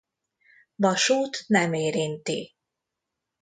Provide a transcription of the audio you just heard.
Vasút nem érinti.